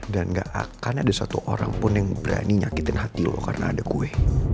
dan gak akan ada satu orang pun yang berani nyakitin hati lo karena ada gue